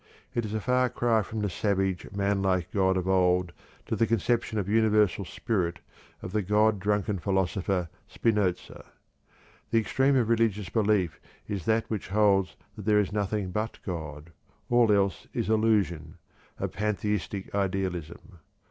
It is a far cry from the savage, manlike god of old to the conception of the Universal Spirit of the "God drunken philosopher," Spinoza. The extreme of religious belief is that which holds that "there is nothing but God all else is illusion," of pantheistic idealism.